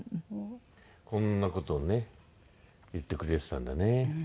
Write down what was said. こんな事をね言ってくれてたんだね